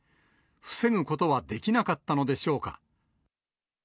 防ぐことはできなかったのでしょうか。